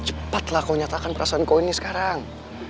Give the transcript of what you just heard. cepat lah kau nyatakan perasaan kau ini sekarang